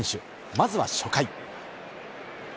まずは初回。